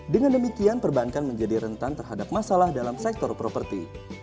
dengan demikian perbankan menjadi rentan terhadap masalah dalam sektor properti